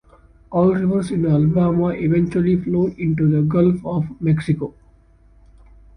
All rivers in Alabama eventually flow into the Gulf of Mexico.